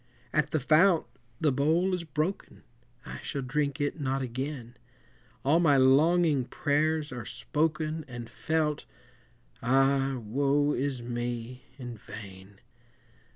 At the fount the bowl is broken, I shall drink it not again, All my longing prayers are spoken, And felt, ah, woe is me, in vain!